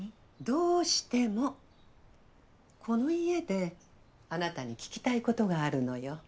どうしてもこの家であなたに聞きたいことがあるのよ。